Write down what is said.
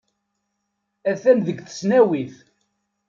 Atan deg tesnawit.